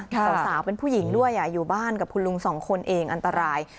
สาวเป็นผู้หญิงด้วยอยู่บ้านกับคุณลุงสองคนเองอันตราย